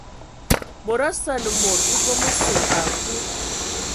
Mod osə anə mod evom sə akwi.